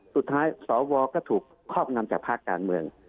สุดท้ายสวก็ถูกคอบลำจากภาคการเมือง